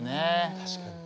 確かにね。